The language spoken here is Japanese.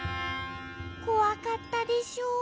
こわかったでしょう。